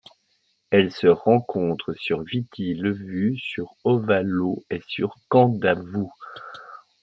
Elle se rencontre sur Viti Levu, sur Ovalau et sur Kandavu.